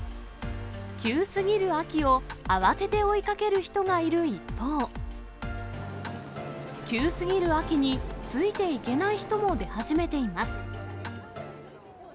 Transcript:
急すぎる秋を慌てて追いかける人がいる一方、急すぎる秋についていけない人も出始めています。